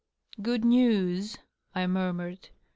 "Good news?" I murmured.